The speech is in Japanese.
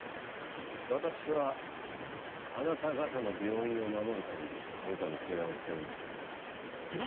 私はあなた方の病院を守るために今回の提案をしてるんですよ。